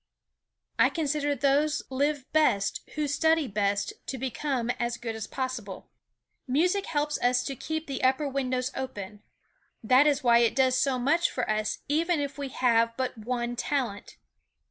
"I consider those live best who study best to become as good as possible." Music helps us to keep the upper windows open; that is why it does so much for us even if we have but one talent.